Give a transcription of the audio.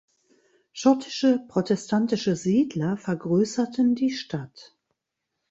Schottische protestantische Siedler vergrößerten die Stadt.